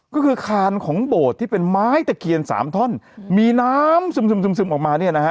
ก็คือคานของโบสถ์ที่เป็นไม้ตะเคียนสามท่อนมีน้ำซึมออกมาเนี่ยนะฮะ